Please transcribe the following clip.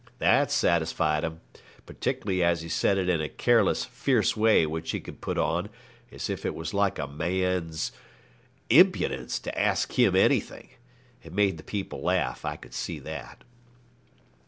That satisfied 'em, particularly as he said it in a careless, fierce way which he could put on, as if it was like a man's impudence to ask him anything. It made the people laugh; I could see that.